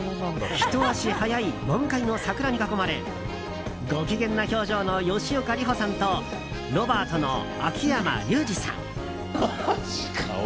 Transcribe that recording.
ひと足早い満開の桜に囲まれご機嫌な表情の吉岡里帆さんとロバートの秋山竜次さん。